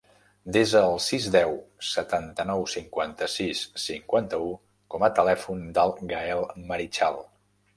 Desa el sis, deu, setanta-nou, cinquanta-sis, cinquanta-u com a telèfon del Gaël Marichal.